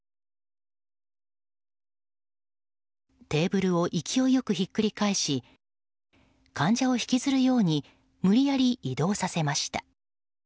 テーブルを勢いよくひっくり返し患者を引きずるように無理やり移動させました。